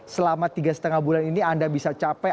selama tiga lima bulan ini anda bisa capai